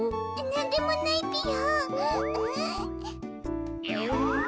なんでもないぴよ。え。